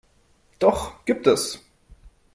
Doch gibt es.